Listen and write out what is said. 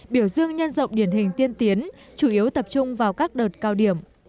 biểu dương nhân rộng điển hình tiên tiến chủ yếu tập trung vào các đợt cao điểm